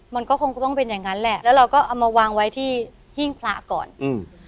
มันก็คงจะต้องเป็นอย่างงั้นแหละแล้วเราก็เอามาวางไว้ที่หิ้งพระก่อนอืม